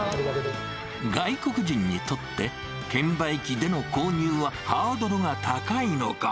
外国人にとって、券売機での購入はハードルが高いのか。